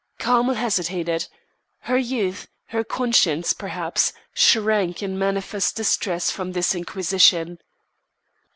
Carmel hesitated. Her youth her conscience, perhaps shrank in manifest distress from this inquisition.